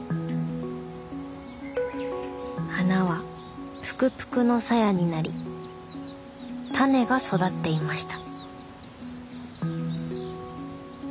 花はぷくぷくのサヤになりタネが育っていました。